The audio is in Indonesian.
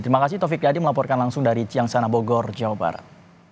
terima kasih taufik yadi melaporkan langsung dari ciangsana bogor jawa barat